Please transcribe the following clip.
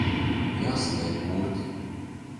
J?saliek gur??